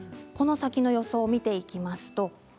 この先の予想を見ていきますと